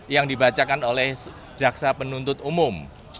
yang dibacakan oleh jaksa penuntut umum